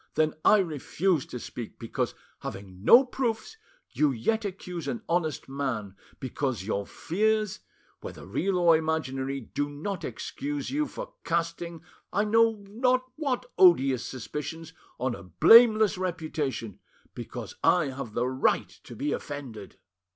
then I refuse to speak, because, having no proofs, you yet accuse an honest man; because your fears, whether real or imaginary, do not excuse you for casting, I know not what odious suspicions, on a blameless reputation, because I have the right to be offended.